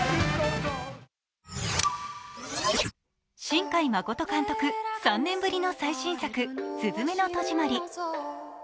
新海誠監督、３年ぶりの最新作「すずめの戸締まり」。